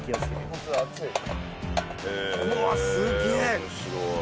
うわすげえ！